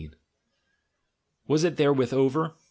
Was it therewith over?